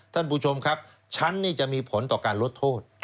ท่านผู้ชมครับฉันนี่จะมีผลต่อการลดโทษ